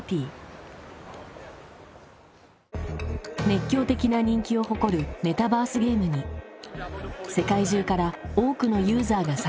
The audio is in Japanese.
熱狂的な人気を誇るメタバースゲームに世界中から多くのユーザーが参加。